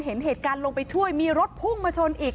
เห็นเหตุการณ์ลงไปช่วยมีรถพุ่งมาชนอีก